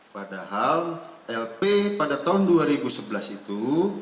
padahal lp pada tahun dua ribu sebelas itu